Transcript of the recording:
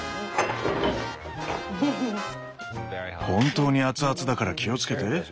本当に熱々だから気をつけて。